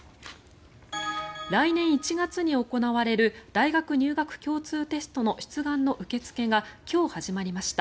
来年１月に行われる大学入学共通テストの出願の受け付けが今日始まりました。